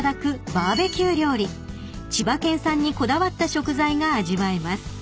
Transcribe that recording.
［千葉県産にこだわった食材が味わえます］